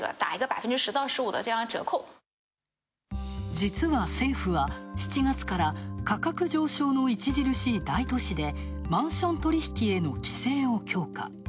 実は政府は７月から価格上昇の著しい大都市でマンション取り引きへの規制を強化。